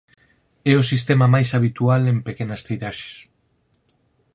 É o sistema máis habitual en pequenas tiraxes.